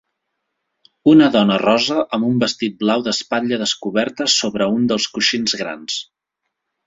Una dona rosa amb un vestit blau d'espatlla descoberta sobre un dels coixins grans.